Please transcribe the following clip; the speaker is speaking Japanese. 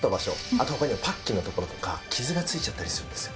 あと他にはパッキンの所とか傷がついちゃったりするんですよ。